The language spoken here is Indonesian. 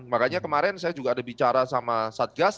makanya kemarin saya juga ada bicara sama satgas